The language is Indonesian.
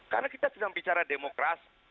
karena kita sedang bicara demokrasi